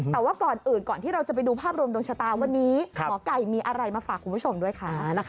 แต่ว่าก่อนอื่นก่อนที่เราจะไปดูภาพรวมดวงชะตาวันนี้หมอไก่มีอะไรมาฝากคุณผู้ชมด้วยค่ะ